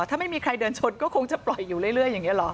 ถ้าไม่มีใครเดินชนก็คงจะปล่อยอยู่เรื่อยอย่างนี้หรอ